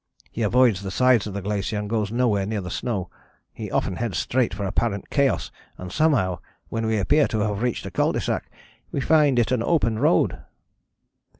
He avoids the sides of the glacier and goes nowhere near the snow: he often heads straight for apparent chaos and somehow, when we appear to have reached a cul de sac, we find it an open road."